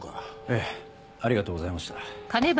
ええありがとうございました。